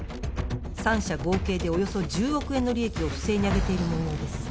３社合計でおよそ１０億円の利益を不正にあげているもようです。